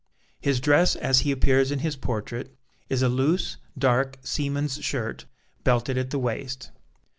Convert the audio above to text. His dress, as he appears in his portrait, is a loose, dark, seaman's shirt, belted at the waist.